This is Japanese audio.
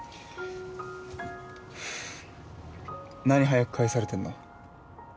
何早く帰されてんの？